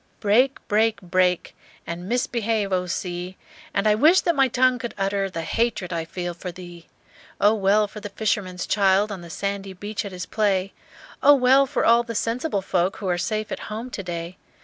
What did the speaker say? "Break, break, break And mis behave, O sea, And I wish that my tongue could utter The hatred I feel for thee! "Oh, well for the fisherman's child On the sandy beach at his play; Oh, well for all sensible folk Who are safe at home to day!